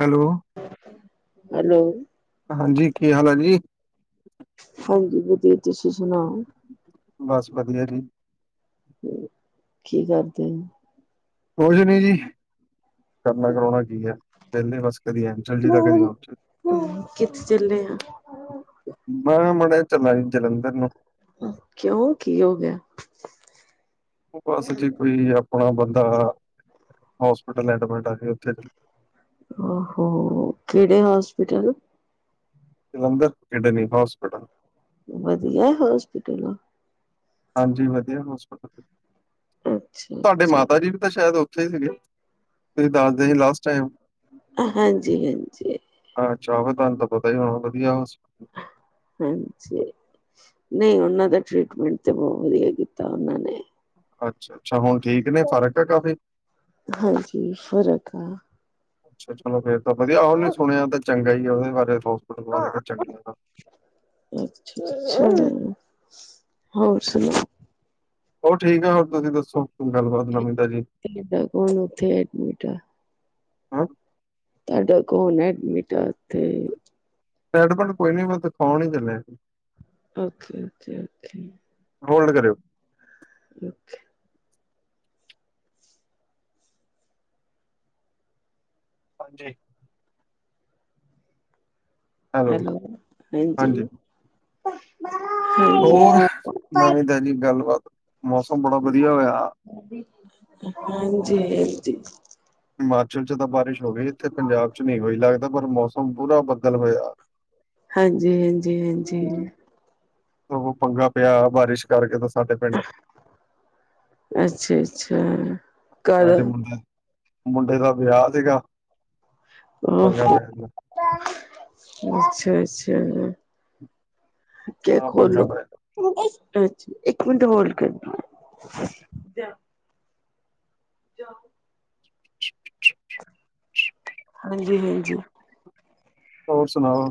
Hello. Hello. ਹਾਂਜੀ ਕੀ ਹਾਲ ਹੈ ਜੀ? ਹਾਂਜੀ ਵਧੀਆ ਤੁਸੀਂ ਸੁਣਾਓ। ਬਸ ਵਧੀਆ ਜੀ। ਕੀ ਕਰਦੇ। ਕੁਝ ਨੀ ਜੀ, ਕਰਨਾ ਕਰਾਉਣਾ ਕੀ ਹੈ ਵਿਹਲੇ ਬਸ ਕਦੀ ਆ। ਕਿੱਥੇ ਚੱਲੇ ਆ। ਮੈਂ ਮਾੜਾ ਜਾ ਚਲਾ ਜ ਜਲੰਧਰ ਨੂੰ ਕਿਉਂ ਕੀ ਹੋ ਗਿਆ। ਉਹ ਬਸ ਜੇ ਕੋਈ ਆਪਣਾ ਬੰਦਾ ਹੋਸਪਿਟਲ ਐਡਮਿਟ ਜੀ ਉੱਥੇ ਉਹ ਹੋ ਕਿਹੜੇ ਹੋਸਪਿਟਲ- ਜਲੰਧਰ, ਕਿਡਨੀ ਹੋਸਪਿਟਲ। ਵਧੀਆ ਹੋਸਪਿਟਲ। ਹਾਂਜੀ ਵਧੀਆ ਹੋਸਪਿਟਲ ਅੱਛਾ ਤੁਹਾਡੇ ਮਾਤਾ ਅੱਛਾ ਜੀ। ਤਾਂ ਸ਼ਾਇਦ ਉੱਥੇ ਹੀ ਸੀਗੇ ਤੁਸੀਂ ਦੱਸਦੇ ਸੀ ਲਾਸਟ ਟਾਈਮ। ਅ ਹਾਂਜੀ, ਹਾਂਜੀ। ਅੱ ਚਾਵੇ ਤਾਨ ਤਾ ਪਤਾ ਹੀ ਹੋਣਾ ਵਧੀਆ ਹੋਸ ਹਾਂਜੀ। ਨਹੀਂ ਓਨਾਂ ਦਾ ਟ੍ਰਰੀਟਮੈਂਟ ਤਾਂ ਬੌਤ ਵਧੀਆ ਕੀਤਾ ਓਹਨਾਂ ਨੇ। ਅੱਛਾ। ਅੱਛਾ, ਹੁਣ ਠੀਕ ਨੇ, ਫ਼ਰਕ ਆ ਕਾਫੀ? ਹਾਂਜੀ ਫ਼ਰਕ ਆ ਅੱਛਾ ਚਲੋ ਫੇਰ ਤਾਂ ਵਧੀਆ ਔਨੇ ਸੁਣਿਆ ਤਾਂ ਚੰਗਾ ਹੀ ਆ ੳਹਦੇ ਬਾਰੇ ਹੋਸਪਿਟਲ ਬਾਰੇ ਤੇ ਚੰਗਾ ਆਂ। ਅੱਛਾ, ਅ ਹੋਰ ਸੁਣਾਓ? ਹੋਰ ਠੀਕ ਆ, ਹੋਰ ਤੁਸੀਂ ਦੱਸੋ ਕੋਈ ਗੱਲਬਾਤ ਨਵੀ-ਤਾਜੀ? ਹੁਣ ਓਥੇ ਐਡਮਿਟ ਆ। ਹਾਂ ਤੁਹਾਡਾ ਕੋੌਣ ਐਡਮਿਟ ਆ ਓਥੇ? ਐਡਮਡ ਕੋਈ ਨੀ ਮੈਂ ਦਿਖਾਉਣ ਈ ਚੱਲਿਆ ਸੀ। ਓਥੇ-ਓਥੇ, ਓਥੇ। ਹੋਲਡ ਕਰਓ। ਰੁੱਖੇ। [unintelligible] ਹਾਂਜੀ। [unintelligible] ਹੈਲੋ, ਹਾਂਜੀ। ਹਾਂਜੀ ਹੋਰ, ਹਾਂ ਨਵੀਂ-ਤਾਜੀ ਗੱਲਬਾਤ। ਮੌਸਮ ਬੜਾ ਵਧੀਆ ਹੋਇਆ। ਹਾਂਜੀ ਹਾਂਜੀ। ਹਿਮਾਚਲ ਚ ਤਾਂ ਬਾਰਿਸ਼ ਹੋ ਗਈ, ਇਥੇ ਪੰਜਾਬ ਚ ਨਹੀਂ ਹੋਈ ਲੱਗਦਾ ਪਰ ਮੌਸਮ ਪੂਰਾ ਬੱਦਲ ਹੋਇਆ। [unintelligible] [inaudible] ਹਾਂਜੀ-ਹਾਂਜੀ, ਹਾਂਜੀ। ਉਹ, ਪੰਗਾ ਪਿਆ ਬਾਰਿਸ਼ ਕਰਕੇ ਤਾਂ ਸਾਡੇ ਪਿੰਡ। ਅੱਛਾ, ਅੱਛਾ। ਕਰ ਮ ਤੇ ਮੁੰਡੇ, ਮੁੰਡੇ ਦਾ ਵਿਆਹ ਸੀਗਾ। ਪੰਗਾ ਪੈ ਜਾਂਦਾ ਅੱਛਾ, ਅੱਛਾ। ਕਹਿ ਹਾਂ ਪੰਗਾ ਖੋਲੋ। ਪੈ ਅੱਛਾ, ਇੱਕ ਮਿੰਟ ਹੋਲਡ ਕਰਨਾ। [unintelligible] ਹਾਂਜੀ, ਹਾਂਜੀ। ਹੋਰ ਸੁਣਾਓ।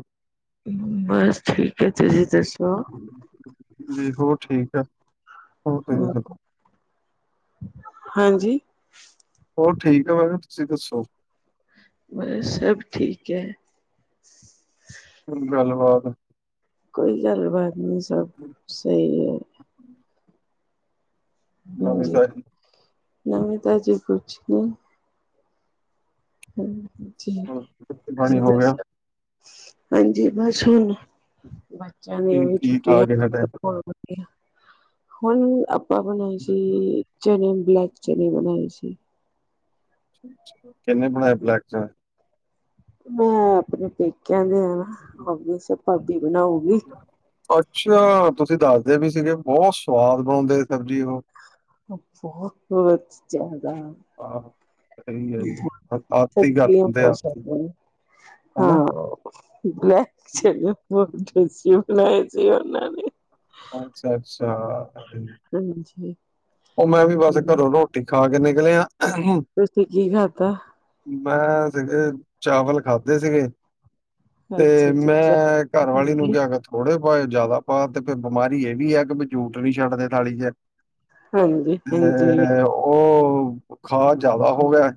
ਬਸ ਠੀਕ ਹੈ ਜੀ, ਤੁਸੀਂ ਦੱਸੋ। ਜੀ ਹੋਰ ਠੀਕ ਐ, ਹੋਰ ਤੁਸੀਂ ਦ ਹਾਂਜੀ। ਹੋਰ ਠੀਕ ਹੈ, ਮੈਂ ਕਿਹਾ ਤੁਸੀਂ ਦੱਸੋ। ਬਸ, ਸਭ ਠੀਕ ਐ। ਗੱਲਬਾਤ। ਕੋਈ ਗੱਲ ਬਾਤ ਨੀ, ਸਭ ਸਹੀ ਏ। ਨਵੀਂ ਨਾਜੀ, ਤਾਜੀ ਨਵੀ-ਤਾਜੀ ਕੁਛ ਨੀ। ਹ ਹੰ ਠੀਕ। ਰੋਟੀ ਪਾਣੀ ਤੁਸੀਂ ਹੋ ਗਿਆ ਦੱਸੋ ਹਾਂਜੀ, ਬਸ ਹੁਣ ਬੱਚਿਆਂ ਦੀ ਠੀਕ ਵੀ ਠੀਕ ਆ ਛੁੱਟੀਆਂ ਕੇ ਹਟੇ। [unintelligible] ਹੁਣ, ਆਪਾਂ ਬਣਾਈ ਸੀ ਚਨੇ ਬਲੈਕ ਚਨੇ ਬਣਾਏ ਸੀ। ਚਨੇ ਬਣਾਏ ਬਲੈਕ ਚਨੇ ਮੈਂ ਆਪਣੇ ਪੇਕਿਆਂ ਦੇ ਆ ਨਾ, ਸਬ ਭਾਬੀ ਬਣਾਉਗੀ। ਅੱਛਾ, ਤੁਸੀਂ ਦੱਸਦੇ ਵੀ ਸੀਗੇ ਬੌਤ ਸਵਾਦ ਬਣਾਉਦੇ ਸਬਜ਼ੀ ਓਹ। ਬਹੁਤ ਬਹੁਤ ਜਿਆਦਾ। ਆਹੋ ਸਹੀ ਹੈ ਜੀ, ਅੱਤ ਕਰ ਸਬਜ਼ੀਆਂ ਦਿੰਦੇ ਆ ਆਤ। ਬਹੁਤ ਹਾਂ, ਬਲੈਕ ਚਨੇ ਬੌਤ ਟੇਸਟੀ ਬਣਾਏ ਸੀ [unintelligible] ਨਾਲੇ। ਅੱਛਾ, - ਅੱਛਾ। ਹਾਂਜੀ। ਉਹ, ਮੈਂ ਵੀ ਬਸ ਘਰੋਂ ਰੋਟੀ ਖਾ ਕੇ ਨਿਕਲਿਆ। ਤੁਸੀਂ ਕੀ ਖਾਦਾ। ਮੈਂ ਸੀਗੇ, ਚਾਵਲ ਖਾਦੇ ਸੀਗੇ। ਤੇ ਅੱਛਾ-ਅੱਛਾ ਮੈਂ ਘਰਵਾਲੀ ਨੂ ਬਿਆਗਤ। ਥੋੜੇ ਪਾਏ ਜ਼ਿਆਦਾ ਪਾ ਤੇ ਫਿਰ ਬਿਮਾਰੀ ਇਹ ਵੀ ਹੈ ਕਿ ਝੂਠ ਨੀ ਛੱਡਦੇ ਥਾਲੀ ਚ। ਹਾਂਜੀ। ਮੈਂ, ਉਹ ਬੁਖਾਰ ਜ਼ਿਆਦਾ ਹੋ ਗਿਆ।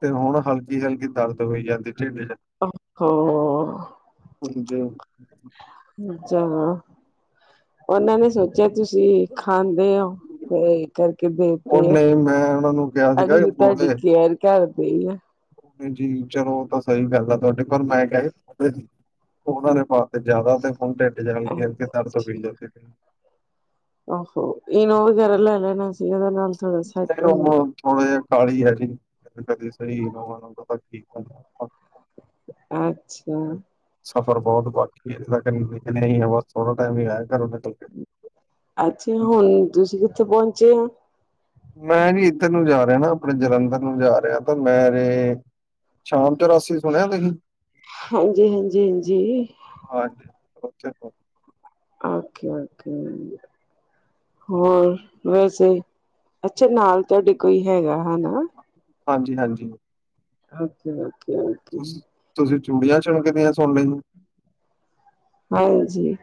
ਤੇ ਹੁਣ ਹਲਕੀ, ਹਲਕੀ ਦਰਦ ਹੋਈ ਜਾਂਦੀ ਢਿੱਡ ਚ। ਹੋ ਹਾਂਜੇ ਅੱਛਾ ਹਾਂ ਉਹਨਾਂ ਨੇ ਸੋਚ ਜੇ ਤੁਸੀਂ ਖਾਂਦੇ ਹੋ ਤੇ ਕਰਕੇ ਬੇਕਦੇ ਆ। ਉਹਨੇ ਮੈਂ ਉਹਨਾਂ ਨੂੰ ਕਿਹਾ ਸੀਗਾ ਅਗਲੀ ਤੁਹਾਡੀ ਕੇਅਰ ਕਰਦੀ ਆ। ਹਾਂਜੀ, ਚਲੋ ਓਹ ਤਾਂ ਸਹੀ ਗੱਲ ਆ ਤੁਹਾਡੀ ਪਰ ਮੈਂ ਕਿਹਾ ਸੀ ਆਪਣੇ ਦੀ ਉਹਨਾਂ ਦੇ ਪਾ ਤੇ ਜਾਦਾ ਤੇ ਹੁਣ ਢਿੱਡ ਚ ਹਲਕਿ, ਹਲਕਿ ਦਰਦ ਪੈਂਦੇ ਪਏ। ਉਹ ਹੋ ਇਨੌ ਵਗੈਰਾ ਲੇ ਲੈਣਾ ਸੀ ਉਹਦੇ ਨਾਲ ਥੋੜਾ ਸੈਟ ਨਹੀਂ ਹੋ ਜਾਂਦਾ ਹੈ। ਹੁਣ ਥੋੜਾ ਜਿਹਾ ਕਾਲੀ ਹੈ। [unintelligible] ਅੱਛਾ। ਸਫ਼ਰ ਬਹੁਤ ਬਾਕੀ ਹੈ ਲੇਕਿਨ ਏਹ ਥੋੜਾ ਟਾਈਮ ਹੀ ਆਇਆ ਘਰੋਂ ਨਿਕਲ ਕੇ। ਅੱਛੇ, ਹੁਣ ਤੁਸੀਂ ਕਿੱਥੇ ਪਹੁੰਚੇ ਹੋ। ਮੈਂ ਨੀ ਇੱਧਰ ਨੂੰ ਜਾ ਰਿਹਾ ਨਾ ਆਪਣੇ ਜਲੰਧਰ ਨੂੰ ਜਾ ਰਿਹਾ ਤਾਂ ਮੇਰੇ ਸ਼ਾਮ ਚੋਰਾਸੀ ਸੁਣਿਆ ਤੁਸੀਂ। ਹਾਂਜੀ, ਹਾਂਜੀ, ਹਾਂਜੀ, ਹਾਰਟ [unintelligible] ਓਕੇ ਓਕੇ ਹੋਰ ਵੈਸੇ ਤੇ ਅੱਛਾ ਨਾਲ ਤੁਹਾਡੇ ਕੋਈ ਹੈਗਾ ਹਨਾ ਹਾਂਜੀ ਹਾਂਜੀ ਓਕੇ ਓਕੇ ਓਕੇ, ਤੁਸੀਂ ਚੂੜੀਆਂ ਚਣਕਦੀਆਂ ਸੋਨੇ ਨੂੰ ਹਾਂਜੀ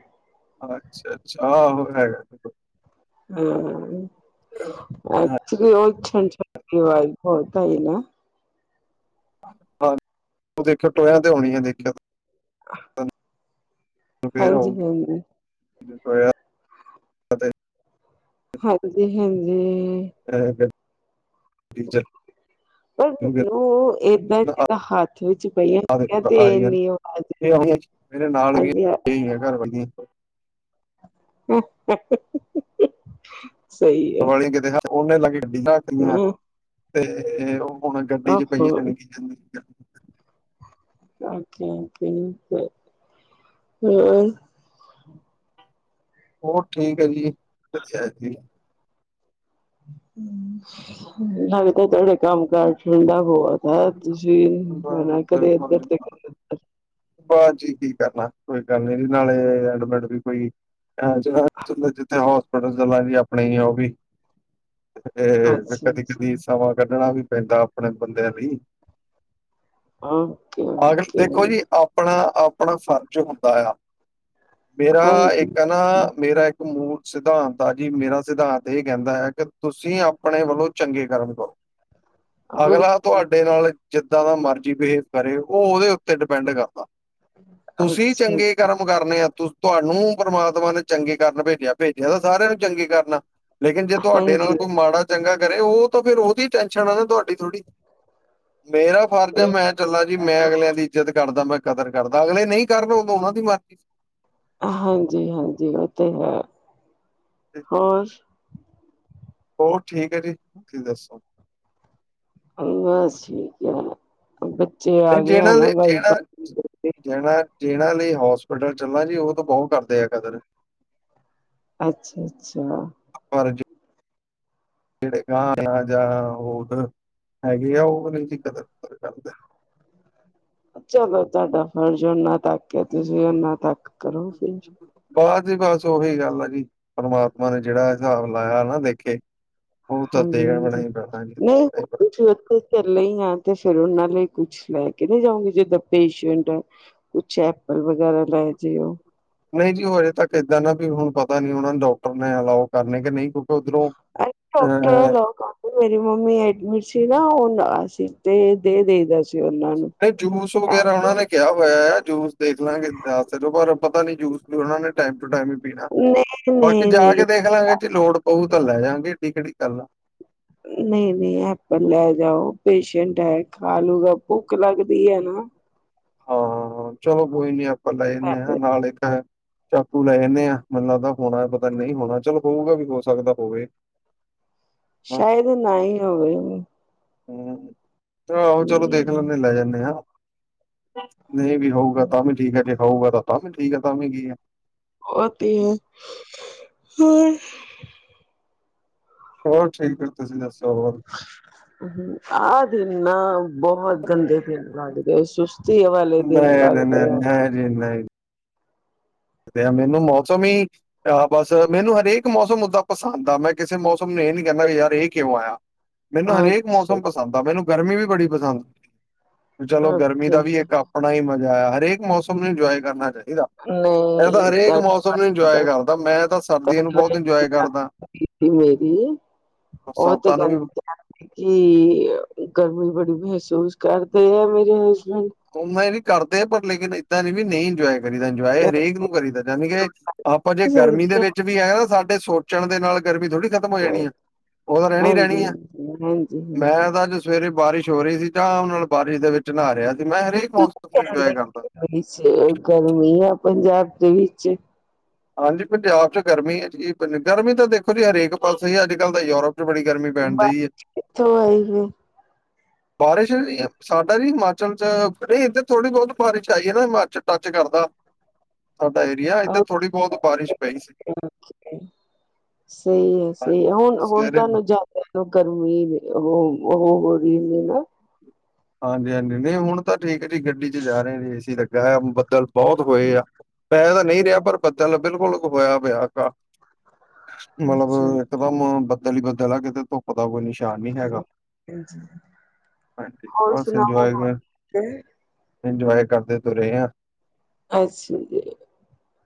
ਅੱਛਾ ਅੱਛਾ ਆਹ ਹੋ ਹੈਗਾ ਹਾਂ ਐਕਚੁਲੀ ਉਹ [unintelligible] ਆਈ ਬਹੁਤ ਆਈ ਨਾ ਹਾਂ ਦੇਖਿਓ ਟੋਇਆਂ ਤੇ ਆਉਣੀ ਆ ਦੇਖਿਓ [unintelligible] ਫਿਰ ਆਊਗੀ ਹਾਂਜੀ-ਹਾਂਜੀ, ਜਤਾਇਆ ਹਾਂਜੀ, ਹਾਂਜੀ। [unintelligible] [unintelligible] ਹੱਥ ਵਿੱਚ ਪਈ ਕਹਿੰਦੇ ਆਈ ਆ ਇੰਨੀ ਔਕਾਤ [unintelligible] ਮੇਰੇ ਨਾਲ ਗਈਆਂ [unintelligible] ਸਹੀ। ਹੈ ਘਰਵਾਲੀ ਕਿਤੇ [unintelligible] ਹਾਂ ਹੁਣ ਗੱਡੀ ਚ ਆਹੋ ਪਈ [unintelligible] [unintelligible] ਹੋਰ ਠੀਕ ਹੈ ਜੀ, ਅੱਛਾ ਹੈ ਜੀ ਨਾਲੇ ਥੋੜੇ ਕੰਮ ਕਾਰ ਠੰਡਾ ਬਹੁਤ ਹੈ, ਤੁਸੀਂ ਆਨਾ ਬਿਲ- ਕਦੇ ਇੱਧਰ ਤੇ ਬਾਅਦ ਚ ਠੀਕ ਹੈ ਕੋਈ ਗੱਲ ਨੀ ਇਹਦੇ ਨਾਲੇ ਐਡਮਡ ਵੀ ਪਈ ਜਿੱਥੇ, ਹੋਸਪਿਟਲ ਦੇ ਲਾਗੇ ਈ ਆਪਣੇ ਹੀ ਆ ਉਹ ਵੀ। ਇਹ ਫ ਕਦੀ, ਕਦੀ ਅੱਛਾ-ਅੱਛਾ ਸਮਾਂ ਕੱਢਣਾ ਵੀ ਪੈਂਦਾ ਆਪਣੇ ਬੰਦਿਆਂ ਲਈ। ਆਖਰ ਓਕੇ-ਓਕੇ ਦੇਖੋ ਜੀ, ਆਪਣਾ -ਆਪਣਾ ਫ਼ਰਜ਼ ਹੁੰਦਾ ਆ ਮੇਰਾ ਹਾਂਜੀ ਇੱਕ ਹੈ ਨਾ ਮੇਰਾ ਇੱਕ ਮੂਲ ਸਿਧਾਂਤ ਆ ਜੀ ਮੇਰਾ ਸਿਧਾਂਤ ਇਹ ਕਹਿੰਦਾ ਹੈ ਕਿ ਤੁਸੀਂ ਆਪਣੇ ਵੱਲੋਂ ਚੰਗੇ ਕਰਮ ਕਰੋ ਅਗਲਾ ਓਕੇ ਤੁਹਾਡੇ ਨਾਲ ਜਿੱਦਾਂ ਦਾ ਮਰਜ਼ੀ ਬਿਹੇਵ ਕਰੇ ਉਹ ਉਹਦੇ ਉੱਤੇ ਡਿਪੈਂਡ ਕਰਦਾ, ਤੁਸੀਂ ਅੱਛਾ ਚੰਗੇ ਕਰਮ ਕੰਮ ਕਰਨੇ ਆ ਤੁਸੀਂ, ਤੁਹਾਨੂੰ ਪਰਮਾਤਮਾ ਨੇ ਚੰਗੇ ਕਰਨ ਭੇਜਿਆ, ਭੇਜਿਆ ਤਾਂ ਸਾਰਿਆਂ ਨੂੰ ਚੰਗੇ ਕਰਨ ਲੇਕਿਨ ਜੇ ਤੁਹਾਡੇ ਨਾਲ ਹਾਂਜੀ, ਕੋਈ ਮਾੜਾ ਚੰਗਾ ਕਰੇ ਉਹ ਤਾਂ ਫਿਰ ਉਹਦੀ ਟੈਨਸ਼ਨ ਆ ਨਾ ਤੁਹਾਡੀ ਥੋੜ੍ਹੀ ਮੇਰਾ ਫਰਜ਼ ਹੈ ਮੈਂ ਚੱਲਾ ਜੀ, ਮੈਂ ਅਗਲਿਆਂ ਦੀ ਇੱਜਤ ਕਰਦਾ ਮੈਂ ਕਦਰ ਕਰਦਾ, ਅਗਲੇ ਨਹੀਂ ਕਰਨ ਉਹ ਉਹਨਾਂ ਦੀ ਮਰਜ਼ੀ ਹਾਂਜੀ-ਹਾਂਜੀ ਉਹ ਤੇ ਹੈ, ਹੋਰ ਹੋਰ ਠੀਕ ਹੈ ਜੀ, ਤੁਸੀਂ ਦੱਸੋ ਬਸ ਠੀਕ ਹੈ ਬੱਚੇ ਆ ਨਹੀਂ ਗਏ ਜਿਹਨਾਂ ਨਾ ਲਈ ਵਾਈ ਜਿਹਨਾਂ ਜਿਹਨਾਂ, ਜਿਹਨਾਂ ਲਈ ਹੋਸਪਿਟਲ ਚੱਲਾਂ ਜੀ ਉਹ ਤਾਂ ਬਹੁਤ ਕਰਦੇ ਆ ਕਦਰ ਅੱਛਾ, ਅੱਛਾ ਪਰ ਜੇ ਜਿਹੜੇ ਗਾਹ ਆ ਜਾਂ ਹੋਰ ਹੈਗੇ ਆ ਉਹ ਵੀ ਨਹੀਂ ਸੀ ਕਦਰ ਕਦਰ ਕਰਦੇ ਚਲੋ ਤੁਹਾਡਾ ਫਰਜ਼ ਓਨਾ ਤੱਕ ਹੈ, ਤੁਸੀਂ ਓਨਾ ਤੱਕ ਕਰੋ ਫਿਰ ਬਸ ਜੀ ਬਸ ਉਹੀ ਗੱਲ ਆ ਜੀ ਪਰਮਾਤਮਾ ਨੇ ਜਿਹੜਾ ਹਿਸਾਬ ਲਾਇਆ ਨਾ ਲੇਖੇ ਹਾਂਜੀ- ਹਾਂਜੀ ਨਹੀਂ ਦੇਣਾ ਹੀ ਹੋਰ ਪੈਣਾ ਤੁਸੀਂ ਉੱਥੇ ਚੱਲਾਂ ਹੀ ਆ ਤੇ ਫਿਰ ਉਹਨਾਂ ਲਈ ਕੁਛ ਲੈ ਕੇ ਨਹੀਂ ਜਾਉਗੀ ਜਿੱਦਾਂ ਪੇਸ਼ੈਂਟ ਹੈ ਕੁਛ ਐਪਲ ਵਗੈਰਾ ਲੈ ਜਾਓ ਨਹੀਂ ਜੀ ਉਹ ਹਜੇ ਤੱਕ ਇੱਦਾਂ ਨਾ ਵੀ ਹੁਣ ਪਤਾ ਨੀ ਉਹਨਾਂ ਨੂੰ ਡਾਕਟਰ ਨੇ ਐਲਾਓ ਕਰਨੇ ਕਿ ਨਹੀਂ, ਕਿਉਂਕਿ ਉੱਧਰੋਂ ਅ ਡਾਕਟਰ ਅ ਲੋਕ ਮੇਰੀ ਮੰਮੀ ਐਡਮਿਟ ਸੀ ਨਾ ਉਹਸੀ ਤੇ ਦੇ ਦੇ ਦਾ ਸੀ ਉਹਨਾਂ ਨੂੰ ਤੇ ਜੂਸ ਵਗੈਰਾ ਉਹਨਾਂ ਨੇ ਕਿਹਾ ਹੋਇਆ ਆ ਜੂਸ ਦੇਖ ਲਾਂਗੇ ਦੱਸੋ ਪਰ ਪਤਾ ਨੀ ਜੂਸ ਵੀ ਉਹਨਾਂ ਨੇ ਟਾਈਮ ਟੂ ਟਾਈਮ ਹੀ ਪੀਣਾ, ਨਹੀਂ ਬਾਕੀ ਨਹੀਂ ਜਾ ਨਹੀਂ ਕੇ ਦੇਖ ਲਾਂਗੇ ਜ ਲੋੜ ਉਹ ਤਾਂ ਲੈ ਜਾਣਗੇ ਐਡੀ ਕਿਹੜੀ ਗੱਲ ਨਹੀਂ-ਨਹੀਂ ਐਪਲ ਲੈ ਜਾਓ, ਪੇਸ਼ੈਂਟ ਹੈ ਖਾ ਲੂਗਾ ਭੁੱਖ ਲੱਗ ਵੀ ਹੈ ਨਾ ਹਾਂ, ਚਲੋ ਕੋਈ ਨੀ ਐਪਲ ਲੈ ਜਾਂਦੇ ਹਾਂ, ਨਾਲ ਇੱਕ ਹੈ ਚਾਕੂ ਲੈ ਜਾਂਦੇ ਆਂ, ਮੈਨੂੰ ਲੱਗਦਾ ਹੋਣਾ ਪਤਾ ਨਹੀਂ ਹੋਣਾ ਚਲ ਹੋਊਗਾ ਵੀ ਹੋ ਸਕਦਾ ਹੋਵੇ ਹਨਾ। ਸ਼ਾਇਦ ਨਾ ਹੀ ਹੋਵੇ ਹਮ, ਆਹੋ ਚਲੋ ਦੇਖ ਲੈਂਦੇ ਲੈ ਜਾਂਦੇ ਹਾਂ ਨਹੀਂ ਵੀ ਹੋਊਗਾ ਤਾਂ ਵੀ ਠੀਕ ਹੈ ਜੇ ਹੋਊਗਾ ਤਾਂ ਵੀ ਠੀਕ ਹੈ ਤਾਂ ਵੀ ਕੀ ਹੈ [unintelligible] ਹੋਰ ਹੋਰ ਠੀਕ ਆ ਤੁਸੀਂ ਦੱਸੋ, ਹੋਰ ਹਮ, ਆਹ ਦਿਨ ਨਾ ਬਹੁਤ ਗੰਦੇੇ ਦਿਨ ਲਗਦੇ ਸੁਸਤੀ ਵਾਲੇ ਦਿਨ ਲੱਗਦੇ ਨਹੀਂ-ਨਹੀਂ-ਨਹੀਂ ਜੀ ਨਹੀਂ ਤੇ ਮੈਨੂੰ ਮੌਸਮ ਹੀ ਆਹ ਬਸ ਮੈਨੂੰ ਹਰੇਕ ਮੌਸਮ ਓਦਾਂ ਪਸੰਦ ਆ ਮੈਂ ਕਿਸੇ ਮੌਸਮ ਨੂੰ ਇਹ ਨੀ ਕਹਿੰਦਾ ਵੀ ਯਾਰ ਇਹ ਕਿਉਂ ਆਇਆ ਮੈਨੂੰ ਹਰੇਕ ਅੱਛਾ ਮੌਸਮ ਪਸੰਦ ਆ ਮੈਨੂੰ ਗਰਮੀ ਵੀ ਬੜੀ ਪਸੰਦ, ਚਲੋ ਗਰਮੀ ਓਕੇ ਦਾ ਵੀ ਇੱਕ ਆਪਣਾ ਹੀ ਮਜ਼ਾ ਆ, ਹਰੇਕ ਮੌਸਮ ਨੂੰ ਇੰਜੋਏ ਕਰਨਾ ਚਾਹੀਦਾ ਨਹੀਂ ਇਹ ਤਾਂ ਹਰੇਕ ਮੌਸਮ ਨੂੰ ਇੰਜੋਏ ਕਰਦਾ, ਮੈਂ ਤਾਂ ਸਰਦੀਆਂ ਨੂੰ ਬਹੁਤ ਇੰਜੋਏ ਕਰਦਾ ਕਿਟੀ ਮੇਰੀ। ਸੌਤਾਂ ਨੂੰ ਵੀ ਹੁਣ। ਕੀ ਗਰਮੀ ਬੜੀ ਮਹਿਸੂਸ ਕਰਦੇ ਆ ਮੇਰੇ ਹਸਬੈਂਡ। ਉ ਮੰਮੀ ਵੀ ਕਰਦੇ ਪਰ ਲੇਕਿਨ ਇੱਦਾਂ ਦੀ ਵੀ ਨਹੀਂ ਇੰਜੋਏ। ਕਰੀ ਦਾ ਇੰਜੋਏ ਹਸਬੈਂਡ ਹਰੇਕ ਨੂੰ ਕਰੀਦਾ ਜਾਨੀ ਕਿ ਆਪਾਂ ਜੇ ਗਰਮੀ ਦੇ ਸਕਦੇ ਵਿੱਚ ਵੀ ਹੈਗਾ ਨਾ ਸਾਡੇ। ਚਲਦੇ ਨਾਲ ਗਰਮੀ ਥੋੜੀ ਖ਼ਤਮ ਹੋ ਜਾਣੀ ਆ ਉਹ ਤਾਂ ਰਹਿਣੀ ਹਾਂਜੀ, ਰਹਿਣੀ ਆ। ਹਾਂਜੀ, ਹਾਂਜੀ, ਹਾਂਜੀ। ਮੈਂ ਤਾਂ ਅੱਜ ਸਵੇਰੇ ਬਾਰਿਸ਼ ਹੋ ਰਹੀ ਸੀ ਆਰਾਮ ਨਾਲ ਬਾਰਿਸ਼ ਦੇ ਵਿੱਚ ਨਹਾ ਰਿਹਾ ਸੀ ਮੈਂ ਹਰੇਕ ਮੌਸਮ ਤੁਸੀਂ ਨੂੰ ਇੰਜੋਏ ਕਹਿੰਦੇ ਕਰਦਾ। ਗਰਮੀ ਆ ਪੰਜਾਬ ਦੇ ਵਿੱਚ। ਹਾਂਜੀ ਪੰਜਾਬ ਚ ਗਰਮੀ ਹੈ ਚ ਗਰਮੀ ਤਾਂ ਦੇਖੋ ਜੀ ਹਰੇਕ ਪਾਸੇ ਹੀ ਅੱਜ ਕੱਲ੍ਹ ਤਾਂ ਯੂਰਪ। ਤੇ ਬੜੀ ਗਰਮੀ ਪੈਣ ਡਈ ਆ। ਤਬਾਹੀ ਏ। ਬਾਰਿਸ਼ ਸਾਡਾ ਜੀ ਹਿਮਾਚਲ ਚ ਨਹੀਂ ਇੱਧਰ ਥੋੜੀ ਬਹੁਤ ਬਾਰਿਸ਼ ਆਈ ਹੈ ਨਾ ਹਿਮਾਚਲ ਟੱਚ ਕਰਦਾ। ਸਾਡਾ ਏਰੀਆ ਇੱਧਰ ਓਕੇ। ਥੋੜ੍ਹੀ ਬਹੁਤ ਬਾਰਿਸ਼ ਪਈ ਸੀ। ਸਹੀ ਹੈ, ਹਾਂ ਸਹੀ ਹੈ, ਹੁਣ ਹੁਣ ਸਵੇਰੇ ਬ ਤੁਹਾਨੂੰ ਜੋਬ। ਫਿਰ ਲੋਕਾਂ ਨੂੰ ਇਹ ਉਹ ਹੋ ਰਹੀ ਨਾ। ਹਾਂਜੀ ਹਾਂਜੀ ਨਹੀਂ ਹੁਣ ਤਾਂ ਠੀਕ ਹੈ ਜੀ ਗੱਡੀ ਚ ਜਾ ਰਹੇ ਏ ਸੀ ਲੱਗਾ ਬੱਦਲ। ਬਹੁਤ ਹੋਏ ਆ। ਪੈ ਤਾਂ ਨਹੀਂ ਰਿਹਾ ਹੂੰ, ਪਰ ਬੱਦਲ ਬਿਲਕੁਲ ਹੋਇਆ ਪਿਆ ਕ। ਅੱਛਾ, ਮਤਲਬ ਇਕ ਅੱਛਾ। ਦਮ ਬੱਦਲ ਈ ਬੱਦਲ ਆ ਕਿਤੇ ਧੁੱਪ ਦਾ ਕੋਈ ਨਿਸ਼। ਨਿਸ਼ਾਨ ਨਹੀਂ ਹੈਗਾ ਹਾਂਜੀ ਹਾਂਜੀ। ਹੋਰ ਸੁਣਾਓ? ਇੰਜੋਏ ਇੰਜੋਏ ਕਰਦੇ ਤਰੇ ਹਾਂ। ਅੱਛਾ ਜੀ।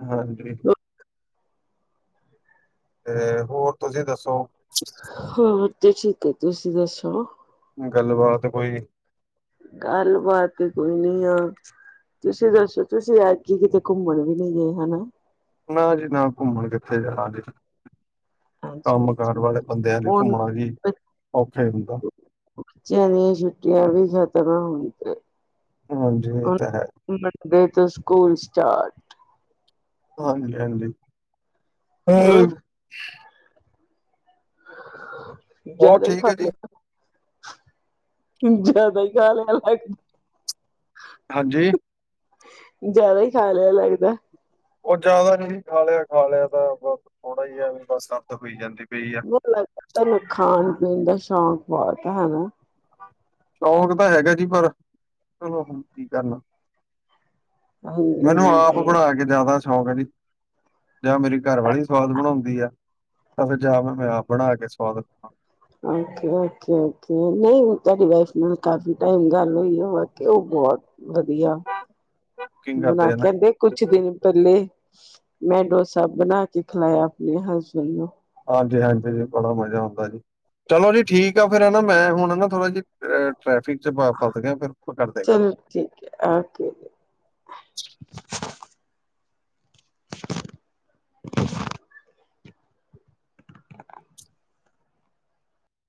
ਹਾਂਜੀ। ਤੇ ਹੋਰ ਤੁਸੀਂ ਦੱਸੋ? ਹੋਰ ਤੇ ਠੀਕ ਹੈ ਤੁਸੀਂ ਦੱਸੋ? ਗੱਲਬਾਤ ਕੋਈ? ਗੱਲ ਬਾਾਤ ਕੋਈ ਨੀ ਆ। ਤੁਸੀਂ ਦੱਸੋ ਤੁਸੀਂ ਐਤਕੀ ਕਿਤੇ ਘੁੰਮਣ ਵੀ ਨਹੀਂ ਗਏ ਹਨਾ। ਨਾ ਜੀ ਨਾ ਘੁੰਮਣ ਕਿੱਥੇ ਜਾਣਾ ਜੀ। ਅੱਛਾ, ਕੰਮ ਅੱਛਾ। ਕਾਰ ਵਾਲੇ ਬੰਦਿਆਂ ਲਈ ਹੁਣ ਘੁੰਮਣਾ ਵੀ ਔਖਾ ਹੁੰਦਾ। ਬੱਚਿਆਂ ਦੀਆਂ ਛੁੱਟੀਆਂ ਵੀ ਖਤਮ ਹੋਈ ਗਈਆ। ਹਾਂਜੀ ਇਹ ਹੁਣ ਹੈ, ਤਾਂ ਉਹਨਾਂ ਦੇ ਦੇ ਤਾਂ ਸਕੂਲ ਸਟਾਰਟ। ਹਾਂਜੀ ਹਾਂਜੀ। ਹੋਰ ਹੋਰ ਜਿਆਦਾ ਹੀ ਠੀਕ ਖਾ ਹੈ ਜੀ? ਲਿਆ। ਇਦਾਂ ਹੀ ਕਹਿ ਲੈਨੇ ਆ। ਹਾਂਜੀ, ਜਿਆਦਾ ਹੀ ਖਾ ਲਿਆ ਲੱਗਦਾ। ਉਹ ਜਿਆਦਾ ਨਹੀਂ ਖਾ ਲਿਆ ਖਾ ਲਿਆ ਤਾਂ ਬਸ ਥੋੜਾ ਹੀ ਹੈ ਵੀ ਬਸ ਅਤ ਹੋਈ ਜਾਂਦੀ ਪਈ। ਆ, ਲੱਗਦਾ ਤੁਹਾਨੂੰ ਖਾਣ ਪੀਣ ਦਾ ਸ਼ੌਕ ਬਹੁਤ ਹਨਾ। ਸ਼ੌਕ ਤਾਂ ਹੈਗਾ ਜੀ ਪਰ ਚਲੋ ਹੁਣ ਕੀ ਕਰਨਾ। ਹਾਂਜੀ ਮੈਨੂੰ ਆਪ ਹਾਂਜੀ ਬਣਾ ਕੇ ਜਿਆਦਾ। ਸ਼ੌਕ ਹੈ ਜੀ ਜਾਂ ਮੇਰੀ ਘਰ ਵਾਲੀ ਸਵਾਦ ਬਣਾਉਂਦੀ ਆ। ਤਾਂ ਫਿਰ ਜਾ ਮੈਂ ਆਪ ਬਣਾ ਕੇ ਸਵਾਦ ਖਾਣਾ। ਓਕੇ, ਓਕੇ, ਓਕੇ ਨਹੀਂ ਤੁਹਾਡੀ ਵਾਈਫ ਨੂੰ। ਕਾਫੀ ਟਾਈਮ ਗੱਲ ਹੋਈ ਆ ਵਾਕਈ ਉਹ ਬਹੁਤ ਵਧੀਆ, ਬਣਾ ਕਰਦੇ ਆ ਨਾ। ਕੇਿੰਦੇ। ਕੁਛ ਦਿਨ ਪਹਿਲੇ ਮੈਂ ਡੋਸਾ ਬਨਾ ਕੇ ਖਿਲਾਇਆ ਆਪਣੇ ਹਸਬੈਂਡ ਨੂੰ। ਹਾਂਜੀ ਹਾਂਜੀ ਜੀ ਬੜਾ ਮਜ਼ਾ ਆਉਂਦਾ ਜੀ ਚਲੋ ਜੀ ਠੀਕ ਆ ਫੇਰ ਹਨਾ ਮੈਂ ਹੁਣ ਨਾ ਥੋੜਾ ਜਿਹਾ। ਟ੍ਰੈਫਿਕ ਚ ਵ ਫਸ ਗਿਆ ਫੇਰ ਆਪਾਂ ਕਰਦੇ ਗੱਲ। ਚਲੋ ਠੀਕ ਹੈ ਓਕੇ। [unintelligible] [unintelligible]